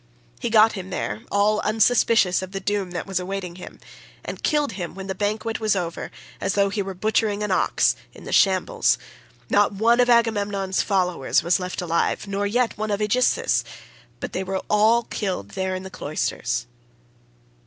He got him there, all unsuspicious of the doom that was awaiting him, and killed him when the banquet was over as though he were butchering an ox in the shambles; not one of Agamemnon's followers was left alive, nor yet one of Aegisthus', but they were all killed there in the cloisters.